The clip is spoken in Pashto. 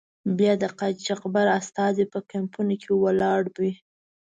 بیا د قاچاقبر استازی په کمپونو کې ولاړ وي.